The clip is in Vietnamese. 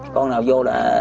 con nào vô là